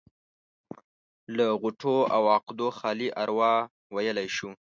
له غوټو او عقدو خالي اروا ويلی شو.